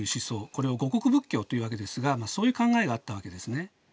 これを護国仏教というわけですがそういう考えがあったわけですね。